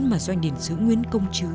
mà doanh điển sứ nguyễn công chứ